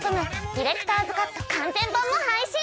ディレクターズカット完全版も配信！